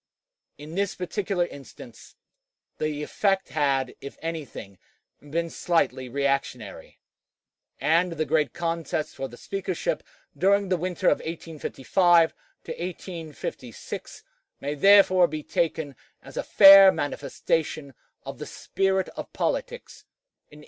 In this particular instance this effect had, if anything, been slightly reactionary, and the great contest for the Speakership during the winter of 1855 6 may therefore be taken as a fair manifestation of the spirit of politics in 1854.